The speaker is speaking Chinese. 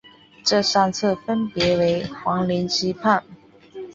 这三次分别为王凌之叛。